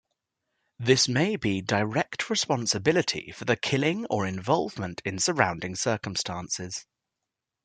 This may be direct responsibility for the killing or involvement in surrounding circumstances.